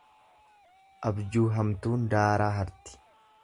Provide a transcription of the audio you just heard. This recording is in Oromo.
Abjuu hamtuun daaraa harti.